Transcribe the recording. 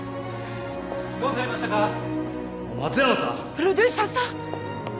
プロデューサーさん。